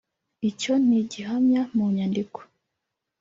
Icyo ni gihamya mu nyandiko